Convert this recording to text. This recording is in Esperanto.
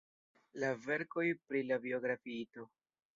la verkoj pri la biografiito.